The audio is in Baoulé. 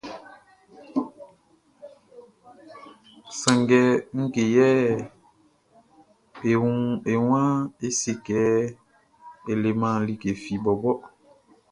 Sanngɛ ngue yɛ e waan é sé kɛ e leman like fi bɔbɔ ɔ?